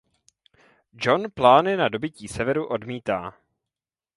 Jon plány na dobytí Severu odmítá.